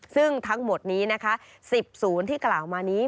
ซึ่งทั้งหมดนี้นะคะ๑๐ศูนย์ที่กล่าวมานี้